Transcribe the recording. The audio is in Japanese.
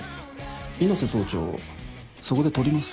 猪瀬総長をそこでとります。